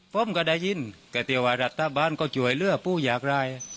ปุ้มก็ได้ยินแต่ต่อไปรัฐบาลก็จ่วยเเลือบผู้อยากราย